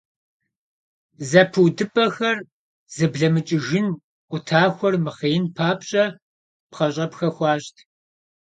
Зэпыудыпӏэхэр зэблэмыкӏыжын, къутахуэр мыхъеин папщӏэ пхъэщӏэпхэ хуащӏт.